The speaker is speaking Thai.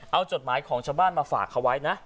เอาจดหมายของชาวบ้านมาฝากเขาไว้นะ